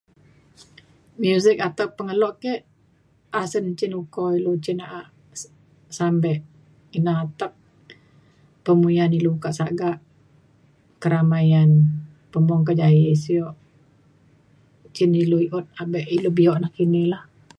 muzik atau pengelo ke asen cin uko ilu cin na’a s- sampe ina atek pemuyan ilu kak sagak keramaian pemung kejaie sio cin ilu i’ut abe ilu bio nakini lah.